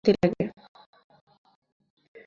রোদে গেলে অনেক বেশি অস্বস্তি লাগে।